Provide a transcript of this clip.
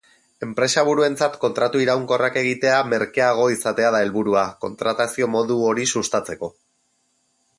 Enpresaburuentzat kontratu iraunkorrak egitea merkeago izatea da helburua, kontratazio modu hori sustatzeko.